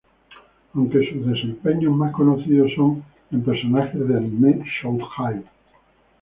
Aunque sus desempeños más conocidos son en personajes de anime shōjo-ai.